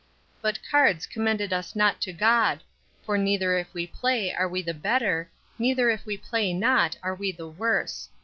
'But cards commend us not to God: for neither if we play are we the better; neither if we play not, are we the worse.